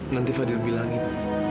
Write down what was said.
nanti fadil bilangin